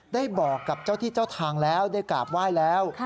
ได้บอกกับเจ้าที่เจ้าทางแล้วได้กราบไหว้แล้ว